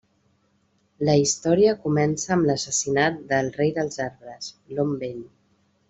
La història comença amb l'assassinat del rei dels arbres, l'Om Vell.